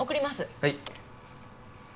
はい。